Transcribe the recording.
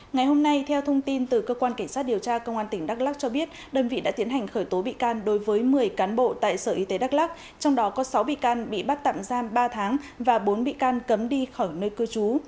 ngày hôm nay theo thông tin từ cơ quan cảnh sát điều tra công an tỉnh đắk lắc cho biết đơn vị đã tiến hành khởi tố bị can đối với một mươi cán bộ tại sở y tế đắk lắc trong đó có sáu bị can bị bắt tạm giam ba tháng và bốn bị can cấm đi khỏi nơi cư trú